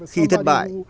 khi thất bại